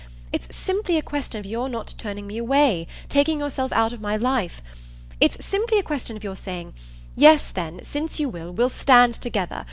It's simply a question of your not turning me away taking yourself out of my life. It's simply a question of your saying: 'Yes then, since you will, we'll stand together.